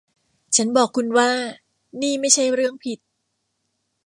ฉันบอกคุณว่านี่ไม่ใช่เรื่องผิด